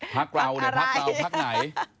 พักเราพักเราพักไหน